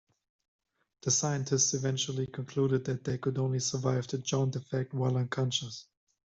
The scientist eventually concluded that they could only survive the "Jaunt effect" while unconscious.